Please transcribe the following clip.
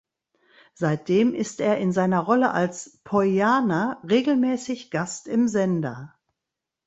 Seitdem ist er in seiner Rolle als „Poiana“ regelmäßig Gast im Sender.